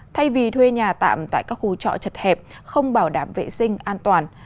thay vì thuê nhà tạm tại các khu trọ chật hẹp không bảo đảm vệ sinh an toàn